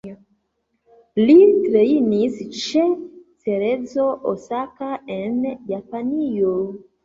Li trejnis ĉe Cerezo Osaka en Japanio.